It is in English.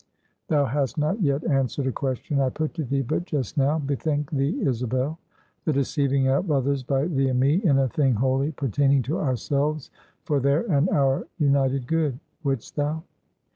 "Thou hast not yet answered a question I put to thee but just now. Bethink thee, Isabel. The deceiving of others by thee and me, in a thing wholly pertaining to ourselves, for their and our united good. Wouldst thou?"